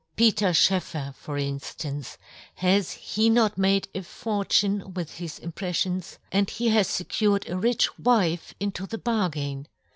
Peter " Schoeffer, for inflance, has he not " made a fortune with his impref " fions.? and he has fecured a rich " wife into the bargain.